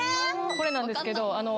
・これなんですけど。